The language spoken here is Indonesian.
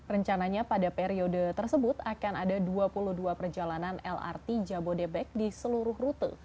rencananya pada periode tersebut akan ada dua puluh dua perjalanan lrt jabodebek di seluruh rute